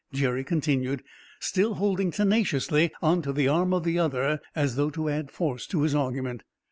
Jerry continued, still holding tenaciously on to the arm of the other, as though to add force to his argument.